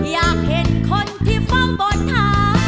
อยากเห็นคนที่ฟ้างบทา